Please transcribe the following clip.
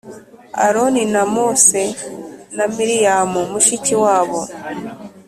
Aroni na Mose na Miriyamu mushiki wabo